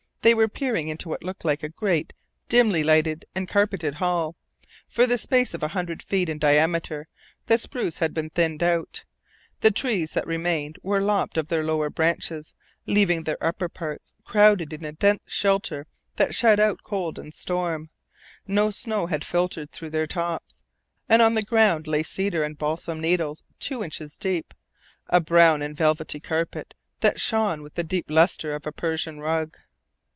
They were peering into what looked like a great, dimly lighted and carpeted hall. For the space of a hundred feet in diameter the spruce had been thinned out. The trees that remained were lopped of their lower branches, leaving their upper parts crowding in a dense shelter that shut out cold and storm. No snow had filtered through their tops, and on the ground lay cedar and balsam needles two inches deep, a brown and velvety carpet that shone with the deep lustre of a Persian rug.